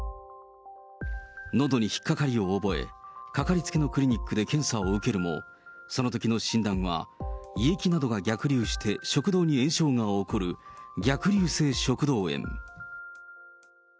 のどにひっかかりを覚え、かかりつけのクリニックで検査を受けるも、そのときの診断は胃液などが逆流して食道に炎症が起こる逆流性食道炎。